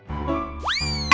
aduh kebentur lagi